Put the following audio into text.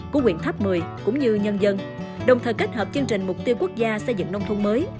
của quyện tháp một mươi cũng như nhân dân đồng thời kết hợp chương trình mục tiêu quốc gia xây dựng nông thôn mới